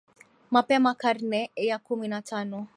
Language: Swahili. Mapema karne ya kumi na tano